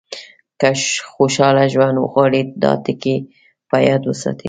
که خوشاله ژوند غواړئ دا ټکي په یاد وساتئ.